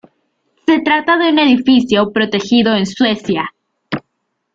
Se trata de un edificio protegido en Suecia.